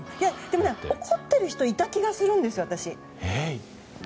怒ってる人いた気がするんですよ。